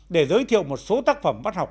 để giới thiệu một số tác phẩm văn học